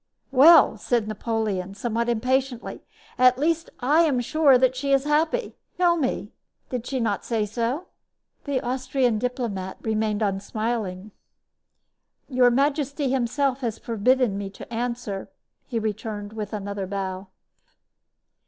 "Well," said Napoleon, somewhat impatiently, "at least I am sure that she is happy. Tell me, did she not say so?" The Austrian diplomat remained unsmiling. "Your majesty himself has forbidden me to answer," he returned with another bow.